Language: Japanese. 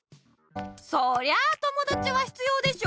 そりゃあともだちは必要でしょ！